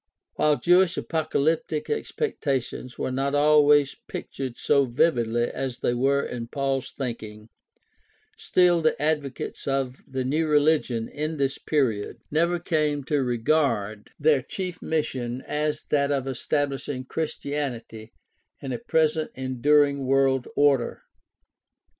While Jewish apocalyptic expectations were not always pictured so vividly as they were in Paul's thinking, still the advocates of the new religion in this period never came to regard their chief mission as that of establishing Christianity in a present enduring world order.